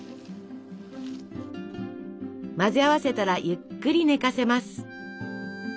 混ぜ合わせたらゆっくり寝かせます。